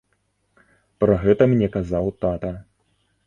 Пра гэта мне казаў тата.